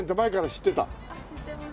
知ってます。